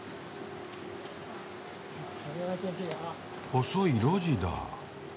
細い路地だ。